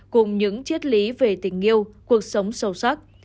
cùng những chiết lý về tình yêu cuộc sống sâu sắc